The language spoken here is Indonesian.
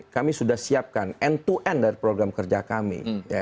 kami sudah siapkan end to end dari program kerja kami